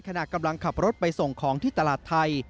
ขณะกำลังขับรถไปส่งของที่ตลาดไทย